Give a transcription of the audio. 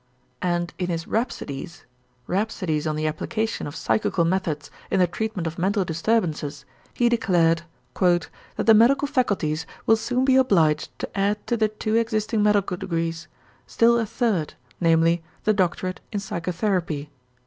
And in his "Rhapsodies," rhapsodies on the application of psychical methods in the treatment of mental disturbances, he declared, "that the medical Faculties will soon be obliged to add to the two existing medical degrees still a third, namely, the doctorate in psychotherapy."